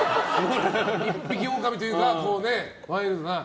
一匹狼というかワイルドなね。